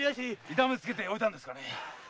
痛めつけておいたんですがね。